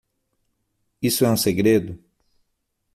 Isso é um segredo?